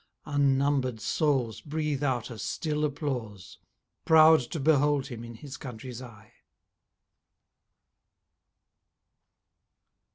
Unnumber'd souls breathe out a still applause, Proud to behold him in his country's eye.